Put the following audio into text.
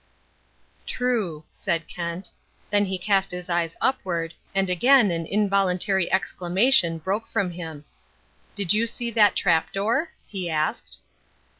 "True," said Kent. Then he cast his eyes upward, and again an involuntary exclamation broke from him. "Did you see that trap door?" he asked.